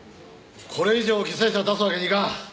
これ以上犠牲者を出すわけにはいかん。